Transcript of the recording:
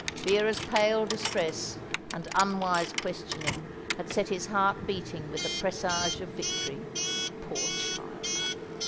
Vera's pale distress and unwise questioning had set his heart beating with the presage of victory. Poor child!